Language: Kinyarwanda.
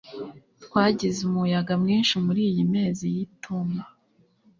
Twagize umuyaga mwinshi muriyi mezi y'itumba.